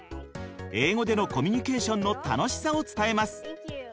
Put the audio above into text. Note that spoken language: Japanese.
英語でのコミュニケーションの楽しさを伝えます。